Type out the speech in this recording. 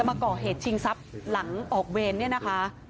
มาก่อเหตุชิงทรัพย์หลังออกเวรเนี่ยนะคะ